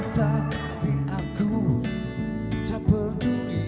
tapi aku tak peduli